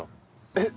えっ？